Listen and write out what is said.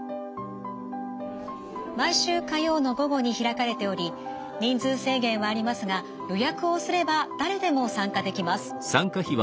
毎週火曜の午後に開かれており人数制限はありますが予約をすれば誰でも参加できます。